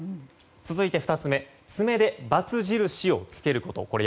続いて爪でバツ印をつけること。